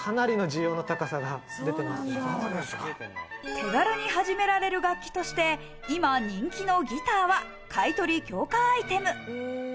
手軽に始められる楽器として今、人気のギターは買取強化アイテム。